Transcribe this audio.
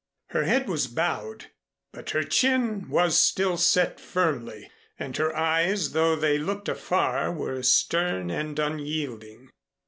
Her head was bowed but her chin was still set firmly, and her eyes, though they looked afar, were stern and unyielding.